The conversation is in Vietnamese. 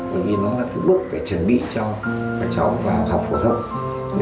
bởi vì nó là cái bước để chuẩn bị cho các cháu vào học phổ thông